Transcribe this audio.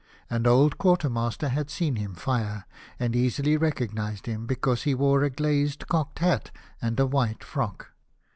An old quartermaster had seen him fire, and easily recognised him, because he wore a glazed cocked hat and a white frock.